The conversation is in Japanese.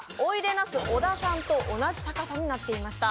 ナス小田さんと同じ高さになっていました。